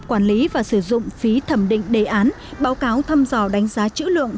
quản lý và sử dụng phí thẩm định đề án báo cáo thăm dò đánh giá chữ lượng